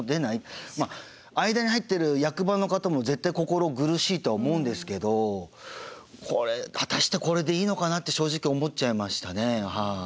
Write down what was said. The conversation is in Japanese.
間に入ってる役場の方も絶対心苦しいとは思うんですけど果たしてこれでいいのかなって正直思っちゃいましたねはい。